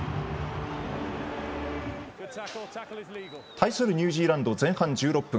対するニュージーランド前半１６分。